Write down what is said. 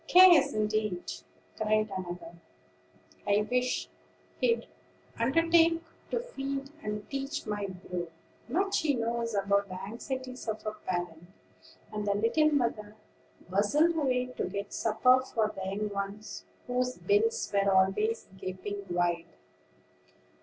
"Cares indeed!" cried another; "I wish he'd undertake to feed and teach my brood. Much he knows about the anxieties of a parent." And the little mother bustled away to get supper for the young ones, whose bills were always gaping wide.